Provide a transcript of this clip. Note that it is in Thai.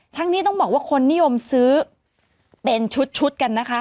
นี้ต้องบอกว่าคนนิยมซื้อเป็นชุดกันนะคะ